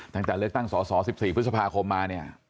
ตั้งแต่เลือกตั้งสส๑๔พฤษภาคมมาเนี่ย